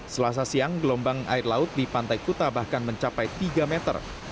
selasa siang gelombang air laut di pantai kuta bahkan mencapai tiga meter